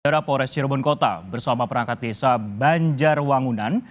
pada daerah pores cirebon kota bersama perangkat desa banjarwangunan